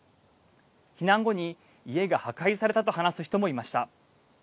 避難後に家が破壊されたと話す人もいました。